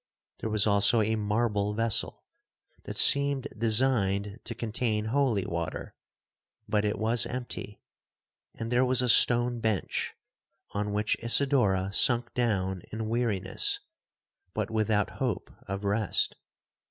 There was also a marble vessel, that seemed designed to contain holy water, but it was empty,—and there was a stone bench, on which Isidora sunk down in weariness, but without hope of rest.